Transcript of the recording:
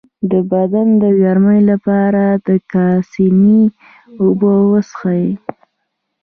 د بدن د ګرمۍ لپاره د کاسني اوبه وڅښئ